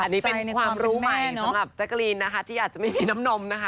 อันนี้เป็นความรู้ใหม่สำหรับแจ๊กกะรีนนะคะที่อาจจะไม่มีน้ำนมนะคะ